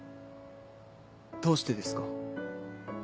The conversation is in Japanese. どうしてですか？